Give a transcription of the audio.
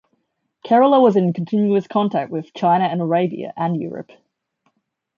Kerala was in continuous contact with China and Arabia, and Europe.